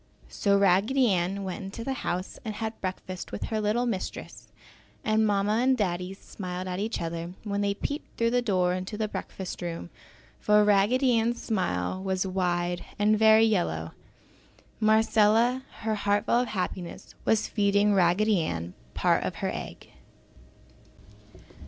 So Raggedy Ann went into the house and had breakfast with her little mistress and Mamma and Daddy smiled at each other when they peeped through the door into the breakfast room, for Raggedy Ann's smile was wide and very yellow. Marcella, her heart full of happiness, was feeding Raggedy Ann part of her egg.